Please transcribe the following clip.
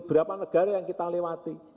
berapa negara yang kita lewati